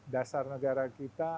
dasar negara kita